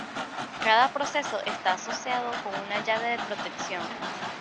Cada proceso está asociado con una llave de protección.